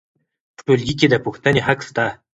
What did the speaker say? په ټولګي کې د پوښتنې حق سته.